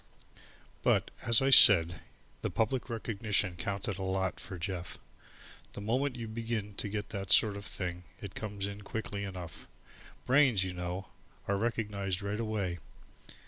But, as I said, the public recognition counted a lot for Jeff. The moment you begin to get that sort of thing it comes in quickly enough. Brains, you know, are recognized right away.